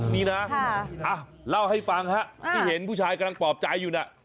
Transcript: นี่นะเล่าให้ฟังฮะที่เห็นผู้ชายกำลังปลอบใจอยู่น่ะ